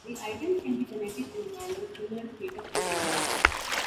The items can be connected in a manner similar to dataflow programming.